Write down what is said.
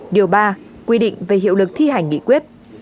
điều ba quy định về hiệu lực thi hành nghị quyết